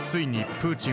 プーチン！